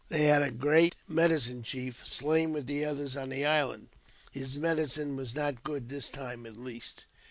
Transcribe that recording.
They had a great " medicine chief" slain with the others on the island; his medicine was not good this time, at least.